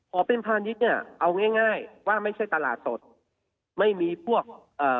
พอเป็นพาณิชย์เนี่ยเอาง่ายง่ายว่าไม่ใช่ตลาดสดไม่มีพวกเอ่อ